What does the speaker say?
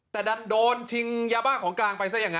แต่ดันโดนชิงยาบ้าของกลางไปซะอย่างนั้น